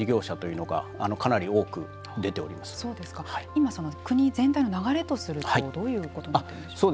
今国全体の流れとするとどういうことになってるんでしょうか。